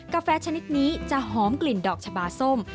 กาแฟชนิดนี้จะหอมกลิ่นดอกชะบาส้ม